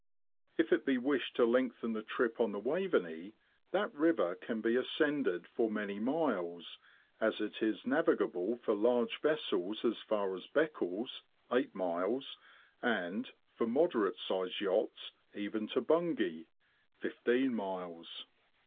If it be wished to lengthen the trip on the Waveney, that river can be ascended for many miles, as it is navigable for large vessels as far as Beccles (eight YARMOUTH TO LOWESTOFT. 37 miles), and, for moderate sized yachts, even to Bungay (fifteen miles).